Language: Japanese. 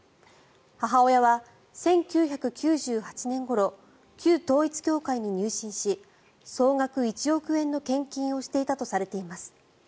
母親は１９９８年ごろ旧統一教会に入信し総額１億円の献金をしていたとされています。